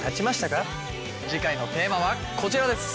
次回のテーマはこちらです。